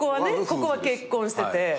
ここは結婚してて。